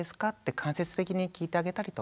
間接的に聞いてあげたりとか。